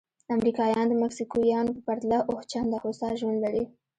امریکایان د مکسیکویانو په پرتله اووه چنده هوسا ژوند لري.